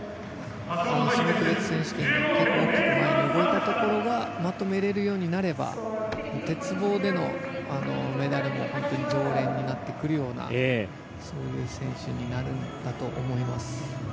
種目別選手権でも大きく動いたところがまとめも入れるようになれば鉄棒での鉄棒での中でも常連になってくるようなそういう選手になるんだと思います。